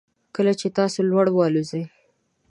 کله چې تاسو لوړ والوځئ